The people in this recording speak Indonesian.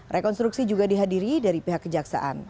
rekonstruksi juga dihadiri dari pihak kejaksaan